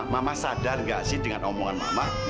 mama sadar nggak sih dengan omongan mama